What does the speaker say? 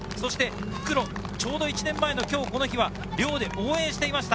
復路、１年前の今日この日は寮で応援していました。